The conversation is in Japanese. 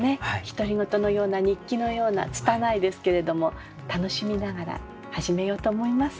独り言のような日記のような拙いですけれども楽しみながら始めようと思います。